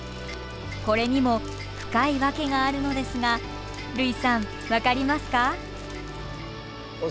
これにも深い訳があるのですが類さん分かりますか？